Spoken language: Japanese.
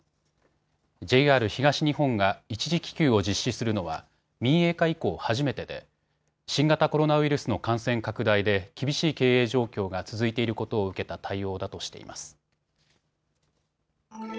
ＪＲ東日本が一時帰休を実施するのは民営化以降、初めてで新型コロナウイルスの感染拡大で厳しい経営状況が続いていることを受けた対応だとしています。